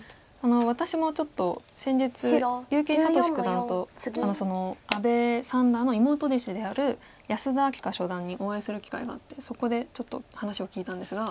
結城聡九段と阿部三段の妹弟子である安田明夏初段にお会いする機会があってそこでちょっと話を聞いたんですが。